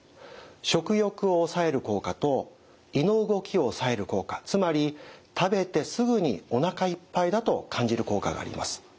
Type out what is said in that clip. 食欲を抑える効果と胃の動きを抑える効果つまり食べてすぐにおなかいっぱいだと感じる効果があります。